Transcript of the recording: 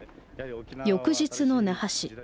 翌日の那覇市。